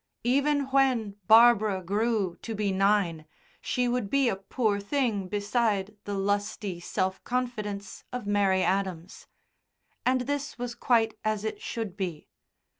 Even when Barbara grew to be nine she would be a poor thing beside the lusty self confidence of Mary Adams and this was quite as it should be.